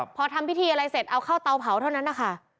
พอทำพิธีอะไรเสร็จเอาเข้าเตาเผาเท่านั้นนะคะ